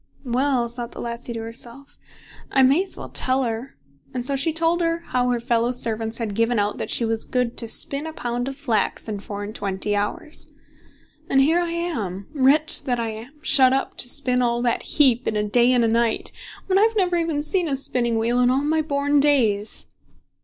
Well, thought the lassie to herself, I may as well tell her, and so she told her how her fellow servants had given out that she was good to spin a pound of flax in four and twenty hours. "And here am I, wretch that I am, shut up to spin all that heap in a day and a night, when I have never even seen a spinning wheel in all my born days."